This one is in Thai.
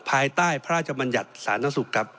ภายใต้พระราชบัญญัติสาธารณสุขครับ